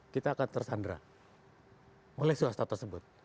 kita akan tersandra oleh swasta tersebut